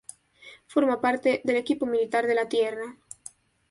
Forma parte del Equipo Militar de la tierra.